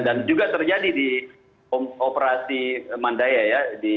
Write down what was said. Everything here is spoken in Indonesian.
juga terjadi di operasi mandaya ya